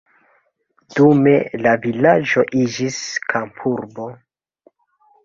Dume la vilaĝo iĝis kampurbo.